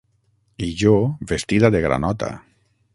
I jo, vestida de granota.